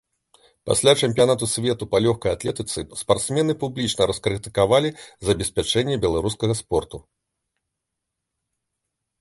Пасля чэмпіянату свету па лёгкай атлетыцы спартсмены публічна раскрытыкавалі забеспячэнне беларускага спорту.